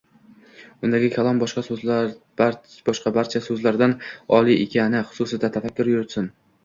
undagi kalom boshqa barcha so‘zlardan oliy ekani xususida tafakkur yuritsin”